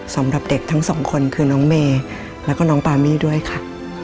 สำหรับเด็กทั้งสองคนคือน้องเมย์แล้วก็น้องปามี่ด้วยค่ะ